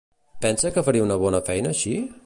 Pensa que faria una bona feina així?